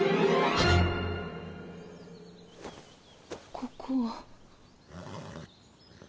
ここは。